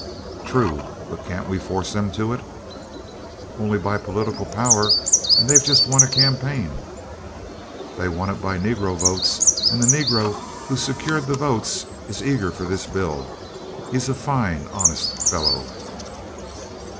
"True; but can't we force them to it?" "Only by political power, and they've just won a campaign." "They won it by Negro votes, and the Negro who secured the votes is eager for this bill; he's a fine, honest fellow."